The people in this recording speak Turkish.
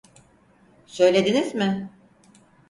Söylediniz mi?